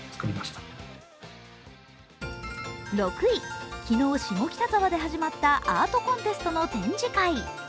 ６位、昨日、下北沢で始まったアートコンテストの展示会。